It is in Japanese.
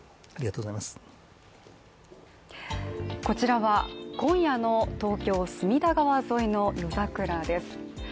こちらは、今夜の東京・隅田川沿いの夜桜です。